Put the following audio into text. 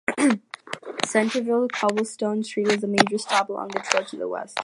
Centerville's cobblestone street was a major stop along the trail to the West.